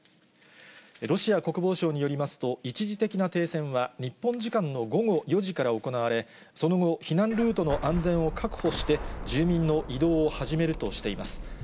ロシア国防省によりますと、一時的な停戦は、日本時間の午後４時から行われ、その後、避難ルートの安全を確保して、住民の移動を始めるとしています。